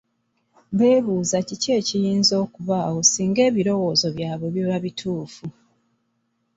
Beebuuza ki ekiyinza okubaawo singa ebirowoozo byabwe biba bituufu.